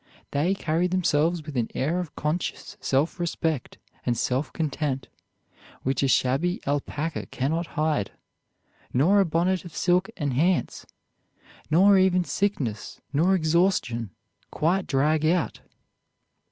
They carry themselves with an air of conscious self respect and self content, which a shabby alpaca cannot hide, nor a bonnet of silk enhance, nor even sickness nor exhaustion quite drag out."